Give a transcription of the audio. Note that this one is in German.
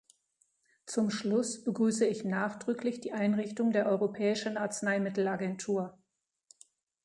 Zum Schluss begrüße ich nachdrücklich die Einrichtung der Europäischen Arzneimittelagentur.